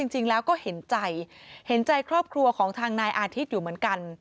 จริงแล้วก็เห็นใจเห็นใจครอบครัวของทางนายอาทิตย์อยู่เหมือนกัน